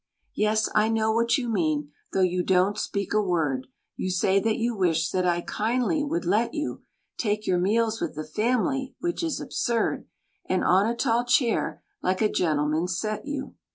Yes! I know what you mean, though you don't speak a word; You say that you wish that I kindly would let you Take your meals with the family, which is absurd, And on a tall chair like a gentleman set you.